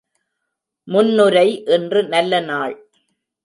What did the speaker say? முன்னுரை இன்று நல்ல நாள்!